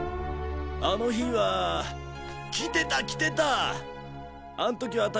あの日は来てた来てた！